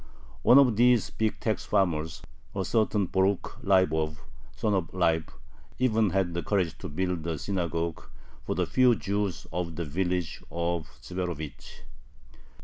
One of these big tax farmers, a certain Borukh Leibov (son of Leib), even had the courage to build a synagogue for the few Jews of the village of Zverovich.